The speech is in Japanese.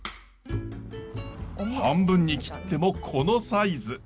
半分に切ってもこのサイズ。